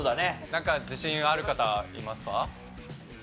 なんか自信ある方いますか？